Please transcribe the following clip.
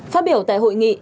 phát biểu tại hội nghị